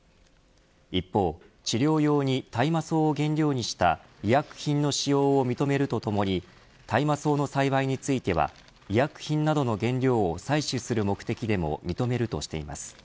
一方、治療用に大麻草を原料にした医薬品の使用を認めるとともに大麻草の栽培については医薬品などの原料を採取する目的でも認めるとしています。